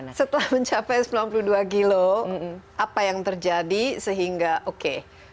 nah setelah mencapai sembilan puluh dua kilo apa yang terjadi sehingga oke